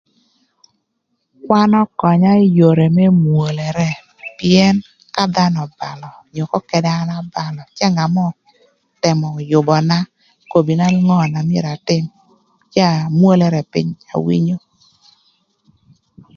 Kwan ökönya ï yodhi më mwolere pïën ka dhanö öbalö onyo ka kadï an abalö cë ngat mörö ötëmö yüböna okobo nïna ngö na myero atïm cë amwolara pïny awinyo.